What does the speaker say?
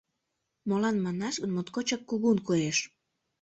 Молан манаш гын моткочак кугун коеш.